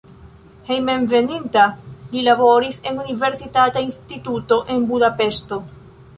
Hejmenveninta li laboris en universitata instituto en Budapeŝto.